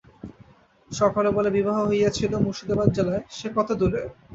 সকলে বলে বিবাহ হইয়াছিল মুর্শিদাবাদ জেলায় -সে কতদূরে?